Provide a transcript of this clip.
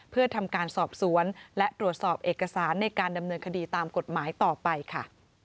เพื่อทำการสอบสวนและตรวจสอบเอกสารในการดำเนินคดีตามกฎหมายต่อไปค่ะ